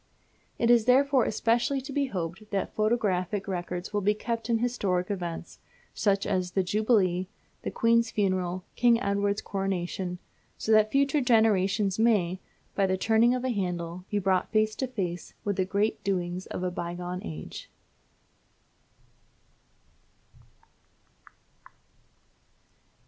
It is therefore especially to be hoped that photographic records will be kept of historic events, such as the Jubilee, the Queen's Funeral, King Edward's Coronation, so that future generations may, by the turning of a handle, be brought face to face with the great doings of a bygone age.